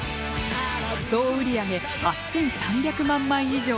総売上８３００万枚以上。